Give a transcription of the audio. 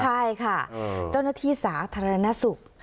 ใช่ค่ะเจ้าหน้าที่สาธารณสุข